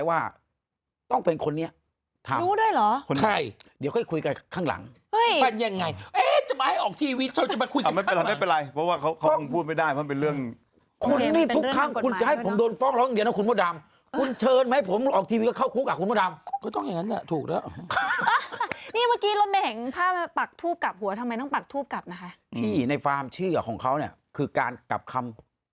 อืมเด็กตัวเองแล้วมีคนจุดทูบอะเชิญเข้าไปอยู่ในสามภูมิอะ